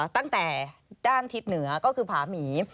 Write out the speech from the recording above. ตั้งแต่ด้านทิศเหนือก็คือผาหมี